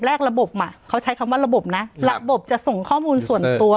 ระบบอ่ะเขาใช้คำว่าระบบนะระบบจะส่งข้อมูลส่วนตัว